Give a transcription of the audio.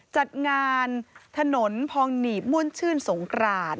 จัดงานถนนพองหนีบม่วนชื่นสงกราน